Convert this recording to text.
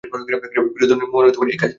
বিরুধুনগরের মোহন এই কাজ দিয়েছিল।